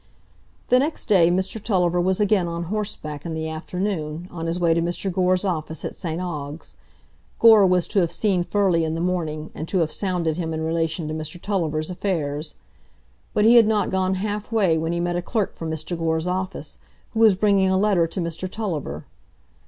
The next day Mr Tulliver was again on horseback in the afternoon, on his way to Mr Gore's office at St Ogg's. Gore was to have seen Furley in the morning, and to have sounded him in relation to Mr Tulliver's affairs. But he had not gone half way when he met a clerk from Mr Gore's office, who was bringing a letter to Mr Tulliver.